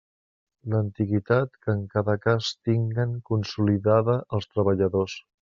L'antiguitat que en cada cas tinguen consolidada els treballadors.